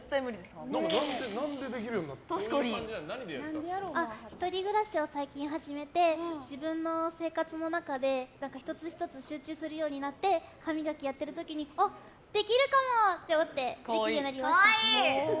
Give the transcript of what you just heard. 何でできるように１人暮らしを最近始めて自分の生活の中で、１つ１つ集中するようになって歯磨きやってる時にあっ、できるかも！と思ってできるようになりました。